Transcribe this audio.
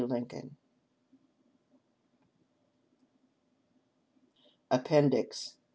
Lincoln." APPENDIX.